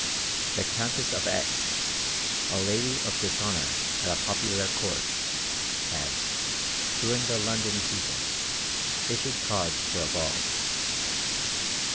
The Countess of Ex, a lady of dishonor at a popular court, had, during the London season, issued cards for a ball.